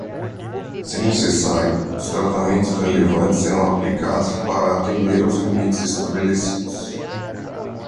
Se necessário, os tratamentos relevantes serão aplicados para atender aos limites estabelecidos.